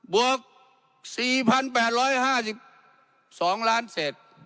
วก๔๘๕๒ล้านเศษ